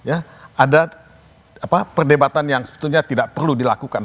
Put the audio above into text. ada perdebatan yang sebetulnya tidak perlu dilakukan